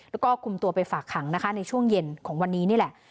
แล้วก็คุมตัวไปฝากขังนะคะในช่วงเย็นของวันนี้นี่แหละ